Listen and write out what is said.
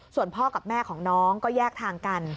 ส่วนพ่อกับแม่ของน้องก็แยกทางกัน